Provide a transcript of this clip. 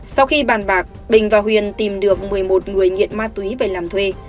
sau khi bàn bạc bình và huyền tìm được một mươi một người nghiện ma túy về làm thuê